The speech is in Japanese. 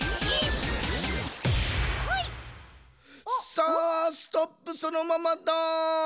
さあストップそのままだ。